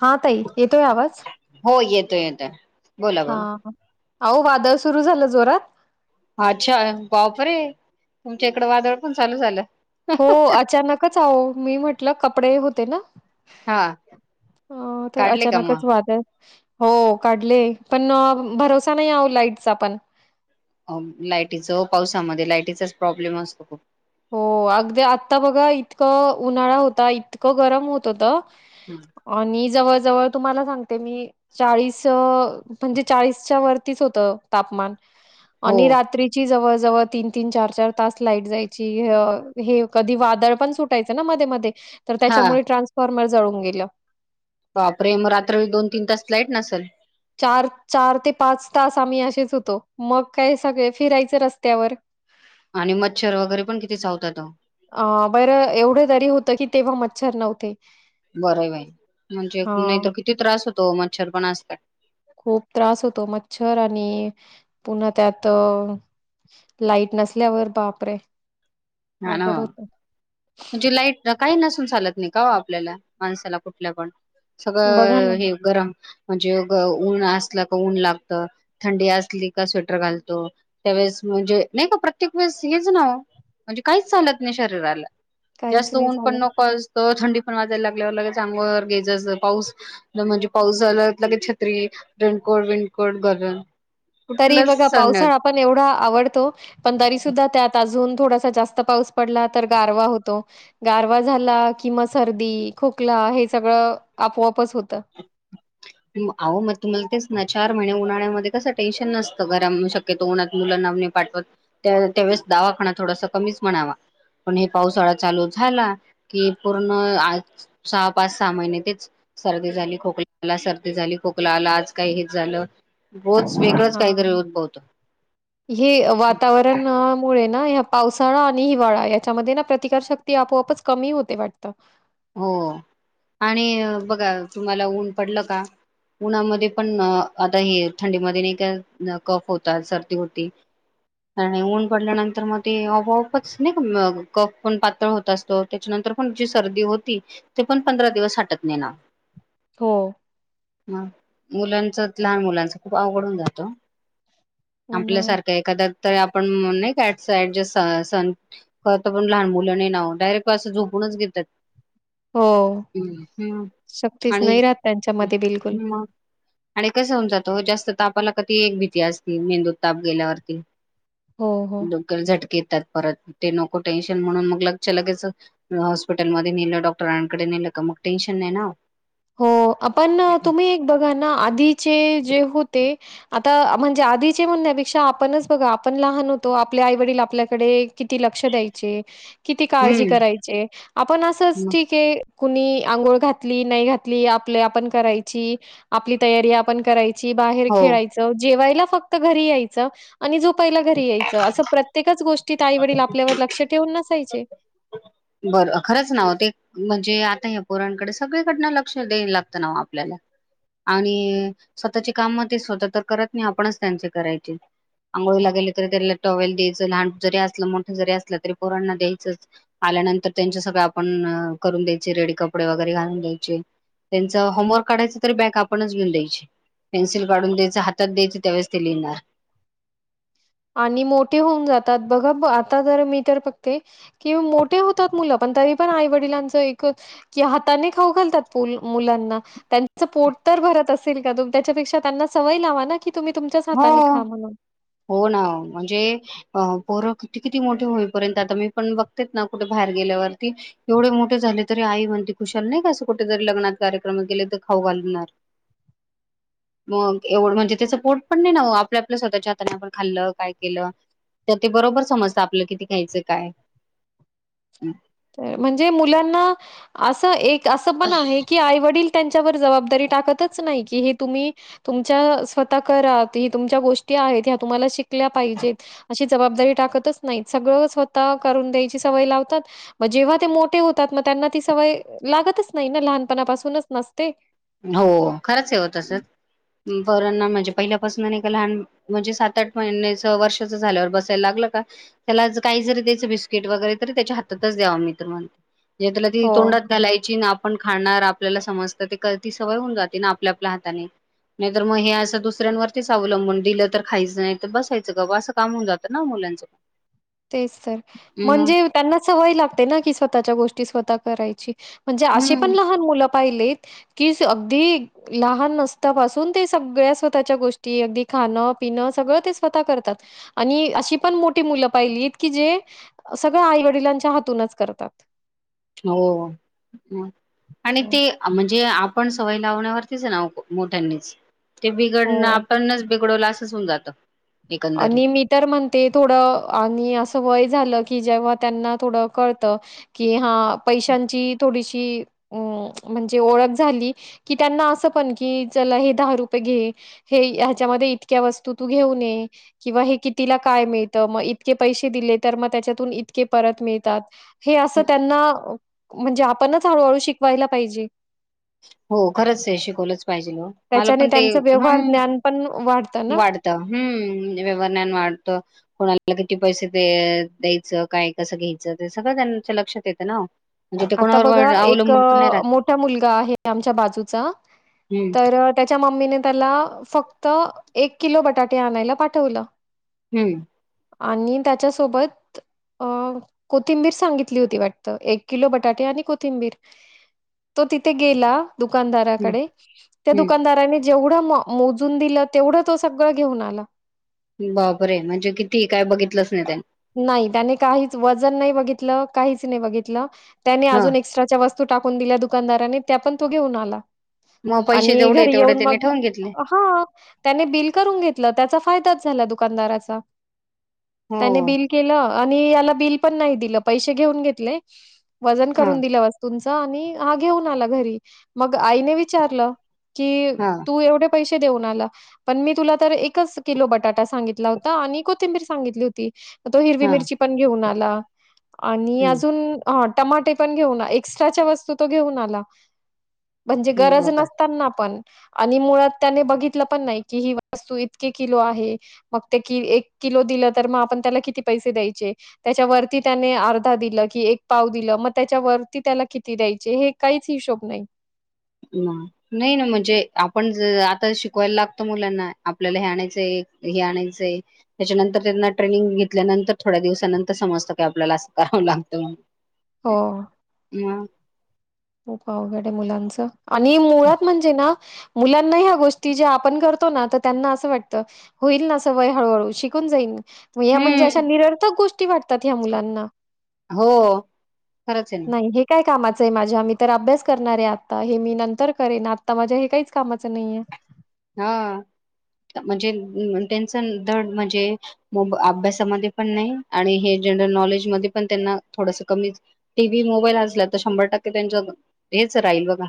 हा ताई, येतोय आवाज? हो येतोय-येतोय. हा, अओ वादळ सुरू झालं जोरात. अच्छा बापरे! तुमच्या इकड वादळ पण चालू झालं. च अहो, मी म्हटलं कपडे होते ना? हा अ तर काढले का अचानकच वादळ हो काढले, पण भरोसा नाही आओ लाईटचा पण. अम लायटीचं ओ पावसामध्ये, लायटीचाच प्रॉब्लेम असतो खूप. हो अगदी आता बघा, इतकं उन्हाळा होता, इतकं गरम होत होत. हम्म. आणि जवळ जवळ तुम्हाला सांगते मी चाळीस म्हणजे चाळीसच्या वरतीच होत तापमान हो आणि रात्रीची जवळ जवळ तीन तीन चार चार तास लाईट जायची कधी वादळ पण सुायच म म हा त्या फॉर्मर जाळून गेलं परे मग रात्र दोन तीन तास लाईट नसेल चार चार ते पाच तास आम्ही असेच होतो मग काय सगळे फिरायचं रस्त्यावर आणि मच्छर वगैरे पण किती चावतात तो अ बरं एवढे दरी होतं की तेव्हा मच्छर नव्हते बरं बाई म्हणजे नाही हां. तरर किती त्रास होतो मच्छर पण असतात खूप त्रास होतो मच्छर आणि पुन्हा त्यात लाईट नसल्यावर बापरे ह ना अवघड होतं. म्हणजे लाईट काही नसून चालत नाही का हो आपल्याला माणसाला कुठल्या पण बघा ना, सगळं हे गरम म्हणजे ऊन असलं क ऊन लागत थंडी असली का स्वेटर घालतो त्यावेेळेस म्हणजे नाही का प्रत्येक वेळेस हेच ना म्हणजे काहीच चालत नाही शरीराला काहीच जास्त नाही ऊन पण झालं. नको तर थंडी पण वाजायला लागल्यावर लगे चांगवर गेजस पाऊस म्हणजे पाऊस झाला लगे छत्री रेणकोड विणकोड गरम तरी बघा पावसाळा आपण एवढा आवडतो पण तरी सुद्धा त्यात अजून थोडासा जास्त पाऊस पडला तर गारवा होतो गारवा झाला किंवा सर्दी खोकला हे सगळं आपोआपच होतं [inaudible] आहो मग तुम्हाला तेच ना चार महिने उन्हा्यामध्ये कस टेन्शन नसतं घरा शकत तो मुला नावने पाठवत त्यावेळेस दावाखा थोडासा कमीच म्हणावा पण हे पावसाळा चालू झाला की पूर्ण सहा पाच सहा महिने तेच सर्दी झाली खोकलाला सर्दी झाली खोकलाला आज काही हित झालं रोज वेगळंच हां. काहीतरी उद्भवतो हे वातावरणमुळे ना ह पावसाळा आणि हिवाळा याच्यामध्ये ना प्रतिकार शक्त ते आपोआपच कमी होते वाटतं हो आणि बघा तुम्हाला ऊन पडलं का उन्हामध्ये पण आता हे थंडीमध्ये नाही का कफ होतात सर्दी होती कार नाही ऊन पडल्यानंतर मग ते आपच नाही का कफ पण पातळ होत असतो त्याच्यानंतर पण जी सर्दी होती ते पण पंधरा दिवस हटत नेणार हो ह मुलांच लहान मुलांच खूप आवघडून जातो उन्हाळ्यात आपल्यासारखं एखाद्या तर आपण नाही का साड ज स खं पण लहान मुलं नाही नाव डायरेक्ट क असं झोपूनच घेतात हो हम्म, हम्म. शक्तीच आणि नाही राहत त्यांच्यामध्ये बिलकुल मग आणि कसं होऊन जातो जास्त तापाला कधी एक भीती असती मेंदूत ताप गेल्यावरती हो हो झटक येतात परत ते नको टेन्शन म्हणून मग लक्ष लगेच हॉस्पिटलमध्ये नेलं डॉ रांकडे नेलं का मग टेनशन नाही ना हो आपण तुम्ही एक बघा ना आधीचे जे होते आता म्हणजे आधीचे म्हणण्यापेक्षा आपणच बघा आपण लहान होतो आपल्या आई वडील आपल्याकडे किती लक्ष द्यायचे किती काळजी हम्म करायची आपण असंच ठीक आहे कुणी आंघोळ घातली नाही घात आप आपण करायची आपली तयारी आपण करायची बाहेर हो खेळाची जेवायला फक्त घरी यायचं आणि जोपायला घरी यायचं असं प्रत्येकच गोष्ट आई वडील आपल्यावर लक्ष ठेवून नसायचे बरं खरंच नाव ते म्हणजे आता या पोरणकडे सगळीकडन लक्ष द्याय लागतं ना आपल्याला आणि स्वतःचे काम म ते स्वतः तर करत नाही आपणच त्यांचे करायचे आंघोळी ला गेली तरी त्याला टॉवेल द्यायचं लहान जरी असलं मोठं जरी असलं तरी पोरांना द्यायचंच आल्यानंतर त्यांच्या सगळं आपण करून द्यायचे रेडी कपडे वगैरे घालून द्यायचे त्यांचं होमवर्क काढायचं तर बॅग आपणच घेऊन द्यायची पेन्सि काढून द्यायच हात दयाचं त्यावेळेस ते लिहिणार आणि मोठे होऊन जातात बघा आता जर मी तर फक्ते किं मोठे होतात मुलं पण तरी पण आई वडिलांच एकच त्या हाताने खाऊ घालतात मुलांना त्यांच पोट तर भरत असेल का तुम त्याच्यापेक्षा त्यांना सवय लावा ना ी तुम्ही तुमच्याच हो हाताने खा म्हणून हो ना म्हणजे पोरं कि किती मोठे होईपर्यंत आता मी पण बघतेच ना कुठे बाहेर गेल्यावरती एवढे मोठे झाले तरी आई म्हणते खुशाल नाही का असं कुठेेतरी लग्ना कार्यक्रम गेले तर खाऊ घालणार [inaudible] मग एवढं म्हणजे ते पोट पण नाही ना आपल्या आपल्या स्वतःच्या आपण खाल्ल काय केलं तर ते बरोबर समजत आपलं किती ख्यायचं काय म्हणजे मुलांना असं एक असं पण आहे की आईवडील त्यांच्यावर जबाबदारी टाकतच नाही की हे तुम्ही तुमच्या स्वतः कात ह तुमच्या गोष्टी आहेत ह्या तुम्हाला शिकल्या पाहिजेत अशी जबाबदारी टाकतच नाही सगळं स्वतः करून द्यायची सवय लावतात जेव्हा ते मोठे होतात मग त्यांना ती सवय लागतच नाही ना लहानपणापासूनच नसते हो खरंच आहेव तसंच पण म्हणजे पहिल्यापासून ए लहान म्हणजे सात आठ महिन्याच वर्षाच झाल्यावर बसायला लागलं का त्याला काही जरी दयाचं बिस्किट वगैरे तर त्याच्या हातच द्याव मित्र म्हणत त्याला ती हो तोंडात घालायची ना आपण खाणार आपल्याला समजत ते ती सवय होवून जाते ना आपल्या आपल्या हाताने नाही तर मग हे असं दुसऱ्यांवरतीच अवलंबून दिलं तर खायचं नाही तर बसायचं ग बा असं काम होन जातं ना मुलांचं [inaudible] तेच तर हम्म म्हणजे त्यांना सवय लागते ना की स्वतःच्या गोष्टी स्वतः करायची म्हणजे असे पण हम्म. लहान मुलं पाहिलेत की अगदी लहान नसतापासून ते सगळ्या स्वतःच्या गोष्टी अगदी खाणं पिणं सगळं ते स्वतः करतात आणि अशी पण मोठी मुलं पाहिलीत की जे सगळं आई वडिलांच्या हातूनच करतात हो आणि होय. ते म्हणजे आपण सवय लावण्यावरतीच आहे ना मोठ्यांनीच ते बिघडणं हो. आपणच बिघडवलं असं होऊन जात आणि मी तर म्हणते थोडं आणि असं वय झालं की जेव्हा त्यांना थोडं कळतं कि हा पैशांची थोडीशी अ म्हणजे ओळख झाली कि त्यांना असं पण की जला हे दहा रुपये घे हे ह्याच्यामध्ये इतक्या वस्तू तू घेऊन ये किंवा हे कितीला काय मिळत मग इतके पैसे दिले तर मग त्याच्यातून इतके परत मिळतात हे असं त्यांना म्हणजे आपणच हळूहळू शिकवायला पाहिजे हो खरंच शिकवलंच पाहिजे मला त्याच्याने पण ते त्यांचं ह व्यवहार ज्ञान पण वाढ वाढत हम्म व्यवण्यान वाढतं कोणाला किती पैसे द्यायचं काय कसं घ्यायचं ते सगळं त्यांच्या लक्षात येतं ना म्हणजे ते आता बघा कोणावर एक अवलंबून पण नाही राहत मोठा मुलगा आहे आमच्या बाजूचा हम्म तर त्याच्या मम्मीने त्याला फक्त एक किलो बटाटे आणायला पाठवलं हम्म आणि त्याच्यासोबत अ कोथिंबीर सांगितली होती वाटत एक... किलो बटाटे आणि कोथिंबीर तो तिथे गेला. हम्म दुकानदाराकडे त्या हम्म दुकानदारांनी..... जेवढं म मोजून दिलं तेवढं तो सगळं घेऊन आला. बापरे आहे म्हणजे किती काय बघितलंच नाही त्यांनी.... नाही त्याने काहीच वजन नाही बघितलं काहीच नाही बघितलं त्याने हा. अजून एक.... एक्स्ट्राच्या वस्तू टाकून दिल्या दुकानदाराने त्या पण तो घेऊन आला. मग पैसे आणि जेवढे घरी तेवढे येऊन त्यांनी मग ठेवून घेतले हा.... त्याने बिल करून घेतलं त्याचा फायदाच झाला दुकानदाराचा हो त्याने...... बिल केलं आणि याला बिल पण नाही दिलं पैसे ठेऊन घेतले वजन हा करून दिल्या वस्तू.... हा आणि हा घेऊन आला घरी मग आईने विचारलं की हा तू एवढे.... पैसे देऊन आला..... पण मी तुला तर एकच किलो बटाटा सांगितला होता आणि कोथिंबीर सांगितली होती. तो हिरवी हा. मिरची पण घेऊन आला आणि अजून..... हा टमाटे पण घेऊन एक्स्ट्राच्या वस्तू तो घेऊन आला म्हणजे हम्म गरज बघा नस... त्यांना पण आणि मुळात त्याने बघितलं पण नाही की ही वस्तू इतकी किलो आहे. मग ते कि एक किलो दिलं तर मग आपण त्याला किती पैसे द्यायचे..... त्याच्यावरती त्याने अर्धा दिलं की एक पाव दिलं मग त्याच्या वरती त्याला किती द्यायचे हे...... काहीच हिशोब नाही.... हम्म..... नाही ना म्हणजे आपण ज आता शिकवायला लागतो मुलांना आपल्याला हे आणायचंय हे आणायचंय. त्याच्यानंतर त्यांना ट्रेनिंग घेतल्यानंतर थोड्या दिवसानंतर समजतं की आपल्याला असं करावं लागतं... हो.... हमं.... खूप अवघड आहे मुलांचं आणि मुळात म्हणजे ना..... मुलांनाही ह्या गोष्टी ज्या आपण करतो ना तर त्यांना असं वाटतं...... होईल ना सवय हळूहळू शिकून जाईल... या म्हणजे अशा हम्म निरर्थक गोष्टी वाटतात ह्या मुलांना.... हो खरंच आहे. नाही, हे काय कामाचं आहे माझ्या आम.... तर अभ्यास करणारे आता हे मी नंतर करेन आता माझ्या हे काहीच कामाचं नाहीय. हा म्हणजे टेन्शन दड म्हणजे..... मग अभ्यासामध्ये पण नाही आणि हे जनरल नॉलेज मध्ये पण त्यांना थोडसं कमी.... टी व्ही मोबाईल असला तर शंभर टक्के त्यांच हेच राहील बघा...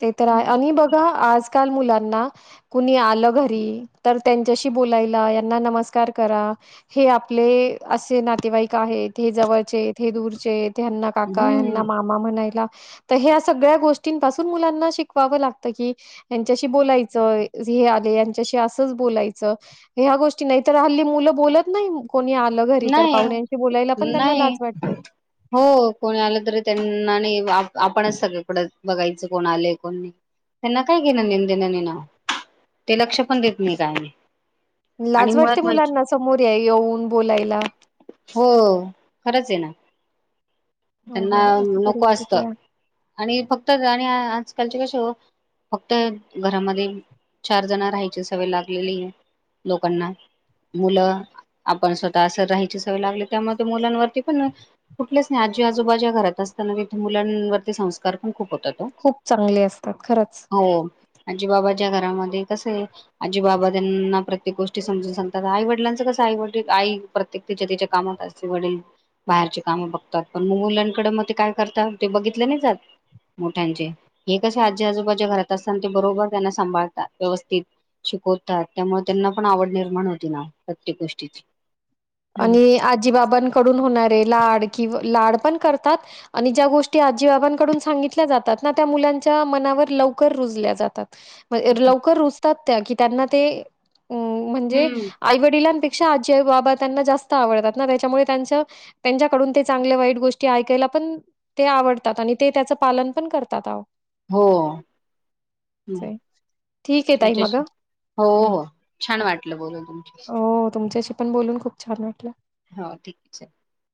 ते तर आहे आणि बघा आजकाल मुलांना.... कुणी आलं घरी तर त्यांच्याशी बोलायला यांना नमस्कार करा. हे आपले असे नातेवाईक आहेत हे जवळचे हे दूरचे..... ह्यांना काका ह्यांना हम्म मामा म्हणाला ह्या सगळ्या गोष्टींपासून..... मुलांना शिकवावं लागतं की..... यांच्याशी बोलायचं हे आले यांच्याशी असंच बोलायचं.... ह्या गोष्टी नाही तर हल्ली मुलं बोलत नाही. कोणी आलं घरी तर नाही पाहुण्याशी बोलायला पण त्यांना नाही लाज वाटते. हो कोणी आलं तरी त्यांना नाही आपणच सगळकडं बघायचं कोण आलंय कोण नाही... त्यांना काय घेणं देणं देणं ते लक्ष पण देत मी काय? आणि लाज वाटते मुळात म्हणजे मुलांना समोर या येऊन बोलायला. हो खरंच आहे ना त्यांना अवघड अशी नको असत... परिस्थिती आहे. आणि फक्त आणि आजकालचे कसे हो... फक्त घरामध्ये चार जण राहायचे सवय लागलेली आहे.. लोकांना मुलं आपण स्.... असं राहायची सवय लागली त्यामुळ मुलांवरती पण... कुठलेच नाही आजी आजोबा ज्या घरात असताना तिथे मुलांवरती संस्कार पण खूप होतात ओ. खूप चांगले असतात खरंच. हो आजी बाबाच्या घरामध्ये कस आहे. आजी बाबा त्यांना प्रत्येक गोष्टी समजून सांगतात आई वडलांचं कसं आई वडील आई. प्रत्येक तिच्या तिच्या कामात असते. वडील बाहेरची कामं बघतात पण मग मुलांकड मग ते काय करतात ते बघितलं नाही जात. मोठ्यांचे हे कसे आजी आजोबाच्या घरात असतना ते बरोबर त्यांना सांभाळतात व्यवस्थित. शिकवतात त्यामुळे त्यांना पण आवड निर्माण होती ना प्रत्येक गोष्टीची. हम्म आणि आजीबाबांकडून होणारे लाड किंवा लाड पण करतात. आणि ज्या गोष्टी आजी आबांकडून सांगितल्या जातात ना त्या मुलांच्या मनावर लवकर रुजल्या जातात. लवकर रुजतात त्या की त्यांना ते अ म्हणजे. हम्म. आई वडिलांपेक्षा आजी बाबा त्यांना जास्त आवडतात त्याच्यामुळे त्यांच त्यांच्याकडून ते चांगल्या वाईट गोष्टी ऐकायला पण, ते आवडतात आणि ते त्याचं पालन पण करतात अहो. हो हम्म ठीक आहे ताई तुच्या मग हो हं. हो छान हां. वाटलं बोलून. तुमच्याशी हो तुमच्याशी पण बोलून खूप छान वाटल. हो ठीक आहे चल